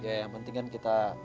ya yang penting kan kita